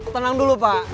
tenang dulu pak